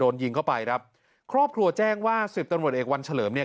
โดนยิงเข้าไปครับครอบครัวแจ้งว่าสิบตำรวจเอกวันเฉลิมเนี่ย